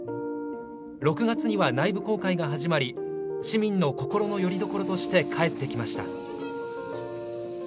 ６月には内部公開が始まり市民の心のよりどころとして帰ってきました。